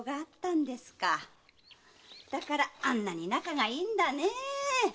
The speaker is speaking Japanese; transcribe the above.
だからあんなに仲がいいんだねぇ。